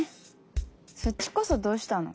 そっちこそどうしたの？